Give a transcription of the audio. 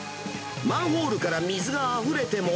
マンホールから水があふれても。